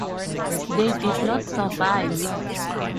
They did not survive.